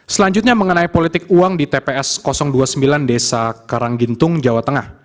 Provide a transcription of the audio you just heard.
selanjutnya mengenai politik uang di tps dua puluh sembilan desa karanggintung jawa tengah